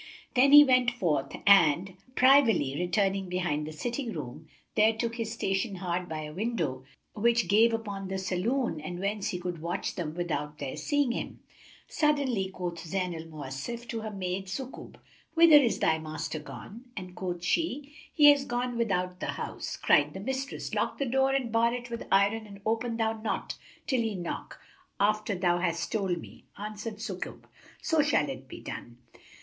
Then he went forth and, privily returning behind the sitting room, there took his station hard by a window which gave upon the saloon and whence he could watch them without their seeing him. Suddenly quoth Zayn al Mawasif to her maid Sukub, "Whither is thy master gone?"; and quoth she, "He is gone without the house." Cried the mistress, "Lock the door and bar it with iron and open thou not till he knock, after thou hast told me." Answered Sukub, "So shall it be done."